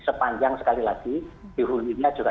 sepanjang sekali lagi diulunya juga